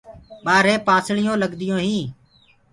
ٻآرهي پانسݪیونٚ لگدیونٚ هيٚنٚ۔